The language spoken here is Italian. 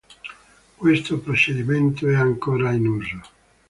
Questo procedimento è ancora in uso.